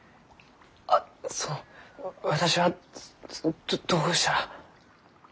あその私はどどうしたら？